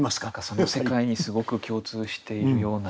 その世界にすごく共通しているような。